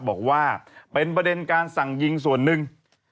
บอกว่าเป็นประเด็นการสั่งยิงส่วนหนึ่ง